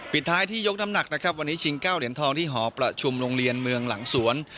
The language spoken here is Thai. ท้ายที่ยกน้ำหนักนะครับวันนี้ชิง๙เหรียญทองที่หอประชุมโรงเรียนเมืองหลังสวน